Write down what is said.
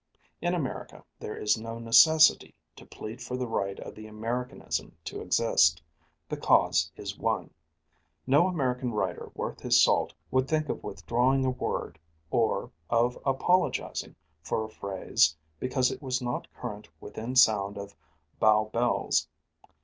In America there is no necessity to plead for the right of the Americanism to exist. The cause is won. No American writer worth his salt would think of withdrawing a word or of apologizing for a phrase because it was not current within sound of Bow Bells.